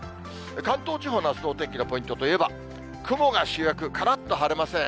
関東地方のあすのお天気のポイントといえば、雲が主役、からっと晴れません。